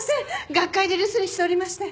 学会で留守にしておりまして。